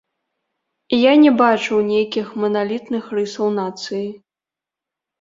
Я не бачу нейкіх маналітных рысаў нацыі.